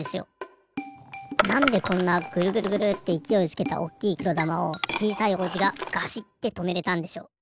なんでこんなグルグルグルっていきおいつけたおっきいくろだまをちいさい王子がガシッてとめれたんでしょう？